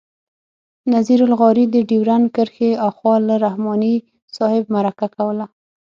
نذیر لغاري د ډیورنډ کرښې آخوا له رحماني صاحب مرکه کوله.